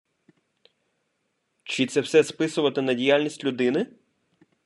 Чи це все списувати на діяльність людини?